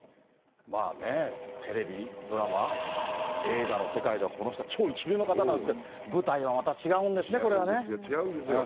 まあね、テレビ、ドラマ、映画の世界ではこの人は超一流の方なんですけど、舞台はまた違うんですね、違うんですよ、違うんですよ。